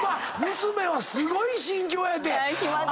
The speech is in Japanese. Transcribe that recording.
娘はすごい心境やて。